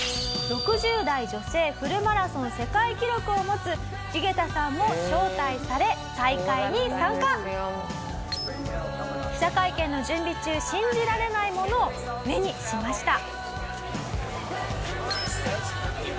「６０代女性フルマラソン世界記録を持つユゲタさんも招待され大会に参加」「記者会見の準備中信じられないものを目にしました」